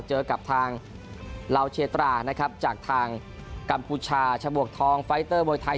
เจอกับทางลาวเชตรานะครับจากทางกัมพูชาฉมวกทองไฟเตอร์มวยไทย